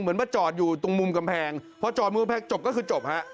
เหมือนว่าจอดอยู่ตรงมุมกำแพงจบก็คือจบฮะ